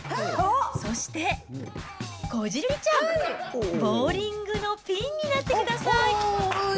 そして、こじるりちゃん、ボウリングのピンになってください。